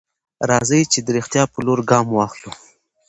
راځئ چې د رښتيا په لور ګام واخلو.